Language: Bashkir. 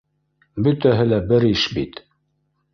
Бөтәһе лә бер иш бит!